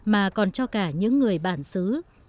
mà còn cho cả những người bản xứ